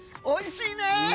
おいしいよ！